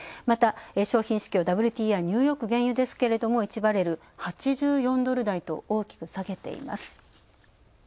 また、商品市況、ＷＴＩ＝ニューヨーク原油ですけども１バレル＝８４ドル台と大きく下げています。